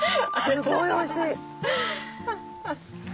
すごいおいしい！